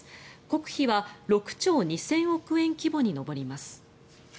国費は６兆２０００億円規模に上ります。